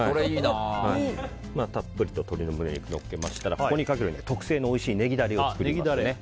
たっぷりと鶏胸肉をのせましたらここにかけるとおいしい特製のネギダレを作ります。